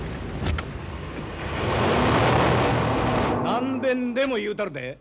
何べんでも言うたるでえ。